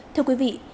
thưa quý vị